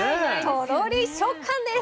とろり食感です。